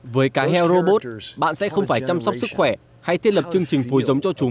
với cá heo robot bạn sẽ không phải chăm sóc sức khỏe hay thiết lập chương trình phùi giống cho chúng